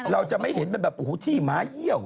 เราจะไม่เห็นเป็นแบบโอ้โหที่หมาเหี่ยว